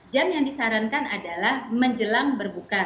dan yang disarankan adalah menjelang berbuka